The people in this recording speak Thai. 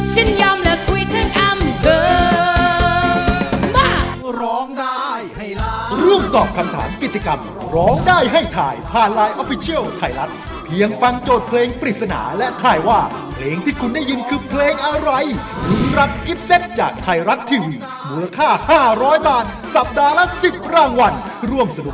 ฉันยอมเลิกคุยทั้งอำเดิม